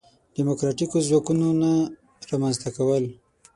دیموکراتیکو ځواکونو نه رامنځته کول.